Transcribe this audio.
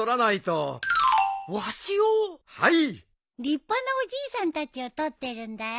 立派なおじいさんたちを撮ってるんだよ。